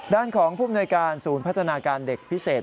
ด้านของผู้มนวยการศูนย์พัฒนาการเด็กพิเศษ